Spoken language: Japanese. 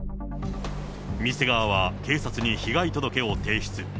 店側は警察に被害届を提出。